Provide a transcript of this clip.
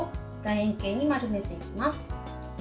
円形に丸めていきます。